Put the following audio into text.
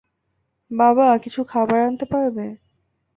বাবা কিছু খাবার আনতে পারবে?